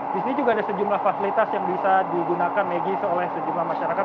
di sini juga ada sejumlah fasilitas yang bisa digunakan megi oleh sejumlah masyarakat